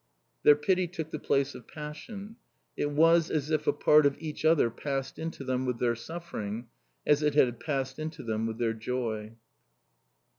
Their pity took the place of passion. It was as if a part of each other passed into them with their suffering as it had passed into them with their joy.